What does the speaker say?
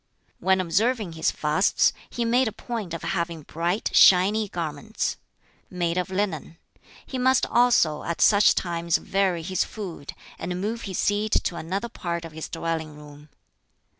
When observing his fasts, he made a point of having bright, shiny garments, made of linen. He must also at such times vary his food, and move his seat to another part of his dwelling room.